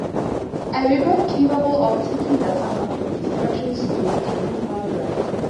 A weapon capable of taking data from its destruction to create a new Pulverizer.